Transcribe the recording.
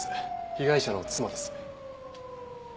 被害者の妻です。